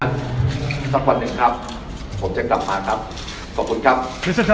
สักวันหนึ่งครับผมจะกลับมาครับ